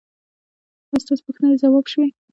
ایا ستاسو پوښتنې ځواب شوې؟